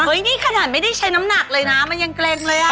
นี่ขนาดไม่ได้ใช้น้ำหนักเลยนะมันยังเกร็งเลยอ่ะ